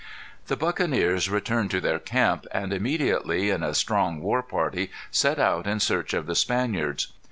The buccaneers returned to their camp, and immediately, in a strong war party, set out in search of the Spaniards.